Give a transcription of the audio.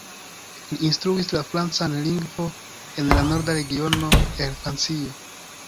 Li instruis la francan lingvo en la norda regiono el Francio.